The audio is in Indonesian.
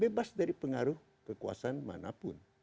bebas dari pengaruh kekuasaan manapun